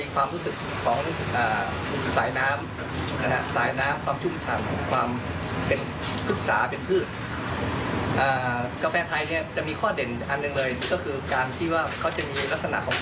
กาแฟไทยเนี่ยชุดเด่นของกาแฟไทยเลยคือมีความชุ่มฉ่ำนะครับ